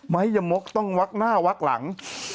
ไม้ยมกต้องวักหน้าวักหลัง